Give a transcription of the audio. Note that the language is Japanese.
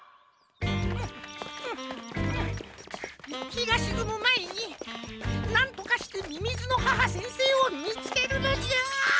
ひがしずむまえになんとかしてみみずの母先生をみつけるのじゃ！